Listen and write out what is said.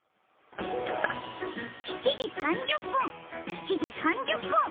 ７時３０分、７時３０分。